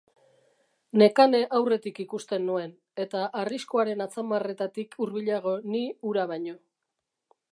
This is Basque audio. Nekane aurretik ikusten nuen, eta arriskuaren atzamarretatik hurbilago ni hura baino.